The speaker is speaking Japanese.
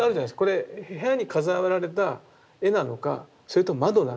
これ部屋に飾られた絵なのかそれとも窓なのか